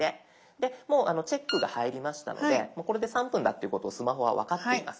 でもうチェックが入りましたのでもうこれで３分だっていうことをスマホは分かっています。